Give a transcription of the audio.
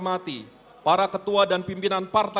kami akan segera memulai acara